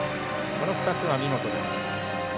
この２つは見事です。